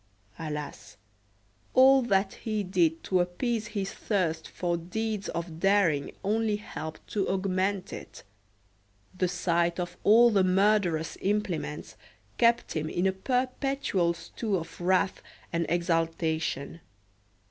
Alas! all that he did to appease his thirst for deeds of daring only helped to augment it. The sight of all the murderous implements kept him in a perpetual stew of wrath and exaltation.